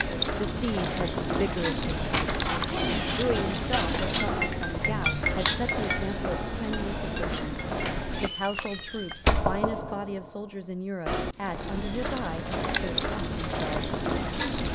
The siege had been vigorously pressed. Lewis himself, though suffering from the gout, had set the example of strenuous exertion. His household troops, the finest body of soldiers in Europe, had, under his eye, surpassed themselves.